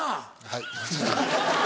はい。